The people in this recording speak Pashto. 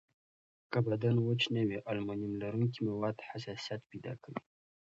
که بدن وچ نه وي، المونیم لرونکي مواد حساسیت پیدا کوي.